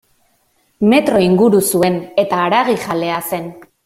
Metro inguru zuen eta haragijalea zen.